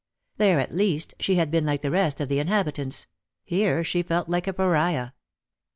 There, at least, she had been like the rest of the inhabitants ; here she felt herself a Pariah.